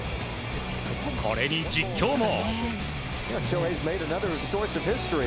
これに実況も。